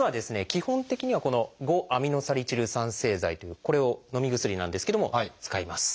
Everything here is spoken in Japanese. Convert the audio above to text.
基本的にはこの５−アミノサリチル酸製剤というこれをのみ薬なんですけども使います。